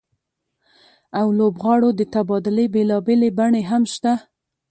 او لوبغاړو د تبادلې بېلابېلې بڼې هم شته